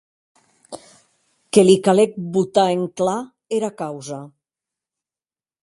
Que li calec botar en clar era causa.